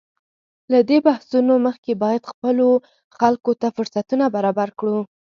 له دې بحثونو مخکې باید خپلو خلکو ته فرصتونه برابر کړو.